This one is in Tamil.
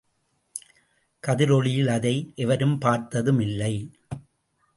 கதிரொளியில் அதை எவரும் பார்த்ததுமில்லை.